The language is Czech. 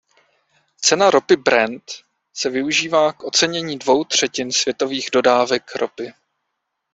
Cena ropy Brent se využívá k ocenění dvou třetin světových dodávek ropy.